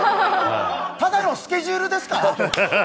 ただのスケジュールですか？